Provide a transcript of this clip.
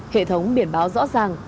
hệ thống biển báo rõ ràng